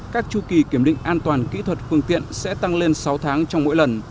các chu kỳ kiểm định an toàn kỹ thuật phương tiện sẽ tăng lên sáu tháng trong mỗi lần